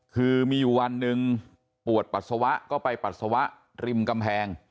คือมีอยู่วันหนึ่งปวดปัสสาวะก็ไปปัสสาวะริมกำแพง